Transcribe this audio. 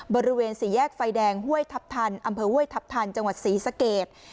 บริเวณศรีแยกไฟแดงอำเภอห้วยทัพทันจังหวัดศรีสะเกต